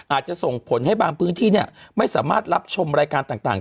อาจจะส่งผลให้บางพื้นที่ไม่สามารถรับชมรายการต่าง